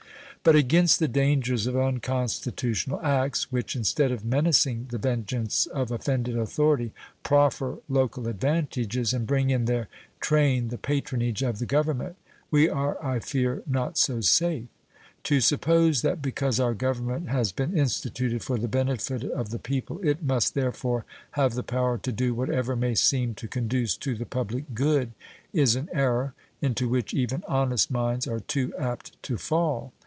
But against the dangers of unconstitutional acts which, instead of menacing the vengeance of offended authority, proffer local advantages and bring in their train the patronage of the Government, we are, I fear, not so safe. To suppose that because our Government has been instituted for the benefit of the people it must therefore have the power to do what ever may seem to conduce to the public good is an error into which even honest minds are too apt to fall.